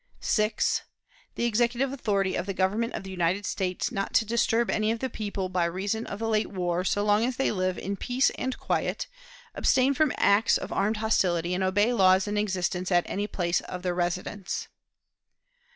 "6. The Executive authority of the Government of the United States not to disturb any of the people by reason of the late war, so long as they live in peace and quiet, abstain from acts of armed hostility, and obey laws in existence at any place of their residence.